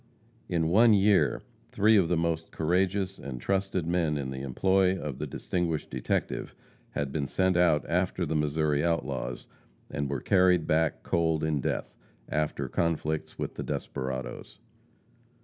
In one year, three of the most courageous and trusted men in the employ of the distinguished detective had been sent out after the Missouri outlaws, and were carried back cold in death, after conflicts with the desperadoes.